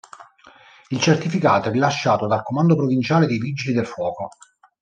Il certificato è rilasciato dal comando provinciale dei vigili del fuoco.